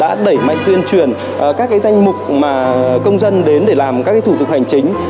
đã đẩy mạnh tuyên truyền các danh mục mà công dân đến để làm các thủ tục hành chính